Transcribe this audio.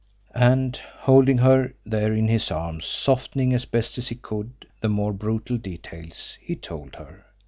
And, holding her there in his arms, softening as best he could the more brutal details, he told her.